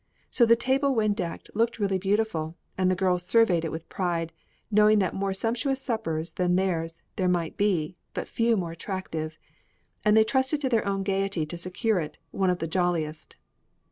So the table when decked looked really beautiful, and the girls surveyed it with pride, knowing that more sumptuous suppers than theirs there might be, but few more attractive, and they trusted to their own gayety to secure it one of the jolliest.